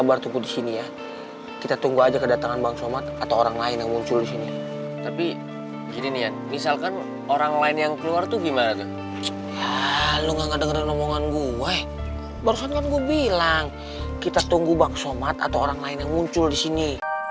barusan kan gue bilang kita tunggu bang somad atau orang lain yang muncul di sini